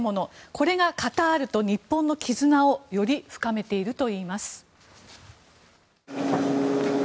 これがカタールと日本の絆をより深めているといいます。